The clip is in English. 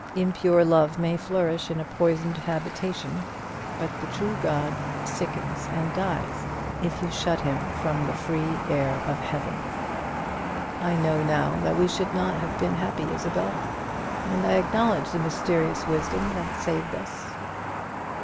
Impure love may flourish in a poisoned habitation; but the true god sickens and dies if you shut him from the free air of heaven. I know now that we should not have been happy, Isabel; and I acknowledge the mysterious wisdom that has saved us.